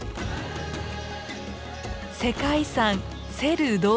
世界遺産セルー